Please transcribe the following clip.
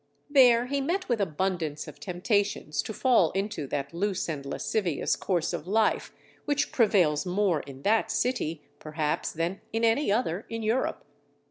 There he met with abundance of temptations to fall into that loose and lascivious course of life which prevails more in that city, perhaps, than in any other in Europe.